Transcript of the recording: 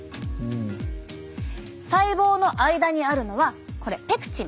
細胞の間にあるのはこれペクチン。